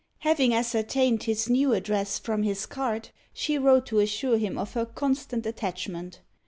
Having ascertained his new address from his card, she wrote to assure him of her constant attachment.